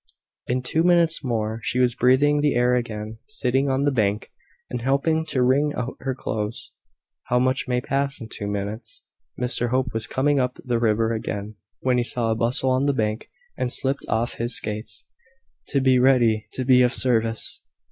In two minutes more, she was breathing the air again, sitting on the bank, and helping to wring out her clothes. How much may pass in two minutes! Mr Hope was coming up the river again, when he saw a bustle on the bank, and slipped off his skates, to be ready to be of service.